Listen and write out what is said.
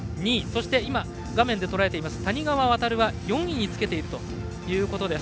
そして画面でとらえています谷川航は４位につけています。